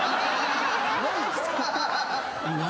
何？